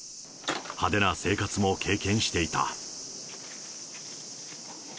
派手な生活も経験していた。